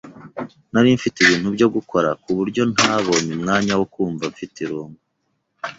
Nari mfite ibintu byo gukora kuburyo ntabonye umwanya wo kumva mfite irungu .